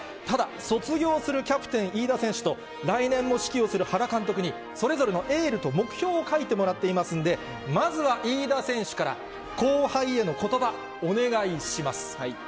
ただ、卒業するキャプテン、飯田選手と、来年も指揮をする原監督にそれぞれのエールと目標を書いてもらっていますんで、まずは飯田選手から後輩へのことば、お願いします。